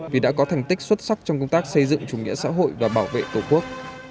vì đã có thành tích xuất sắc trong công tác xây dựng chủ nghĩa xã hội và bảo vệ tổ quốc